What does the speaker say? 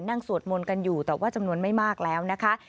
สวดมนต์กันอยู่แต่ว่าจำนวนไม่มากแล้วนะคะ